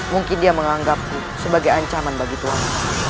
mungkin dia menganggap sebagai ancaman bagi tuhan